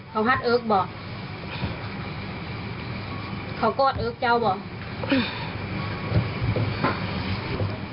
เขาหัดเอิ๊กบ่ะเขากลัวเอิ๊กเจ้าบ่ะ